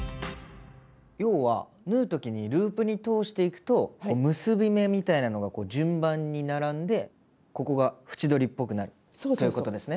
要は縫う時にループに通していくとこう結び目みたいなのが順番に並んでここが縁取りっぽくなるということですね。